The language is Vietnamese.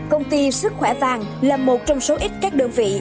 công ty sức khỏe vàng là một trong số ít các đơn vị